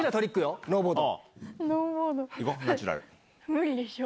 無理でしょ。